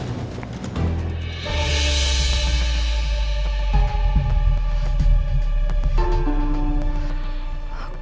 kok aku masih aja gak tenang ya